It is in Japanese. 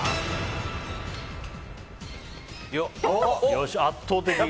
よし、圧倒的。